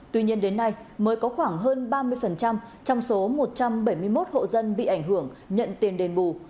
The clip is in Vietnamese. tuy nhiên đến nay mới có khoảng hơn ba mươi trong số một trăm bảy mươi một hộ dân bị ảnh hưởng nhận tiền đền bù